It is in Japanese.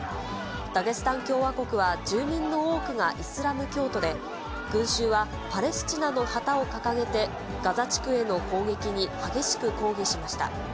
ダゲスタン共和国は住民の多くがイスラム教徒で、群衆はパレスチナの旗を掲げて、ガザ地区への攻撃に激しく抗議しました。